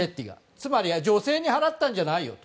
つまり女性に払ったんじゃないよと。